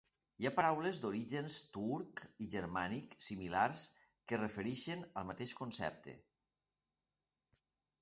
Hi ha paraules d'orígens turc i germànic similars que es refereixen al mateix concepte.